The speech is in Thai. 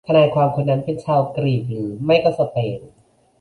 ทนายความคนนั้นเป็นชาวกรีกหรือไม่ก็สเปน